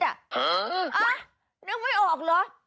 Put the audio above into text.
อ่ะนึกไม่ออกเหรอ